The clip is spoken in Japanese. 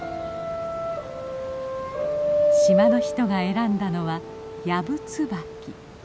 島の人が選んだのはヤブツバキ。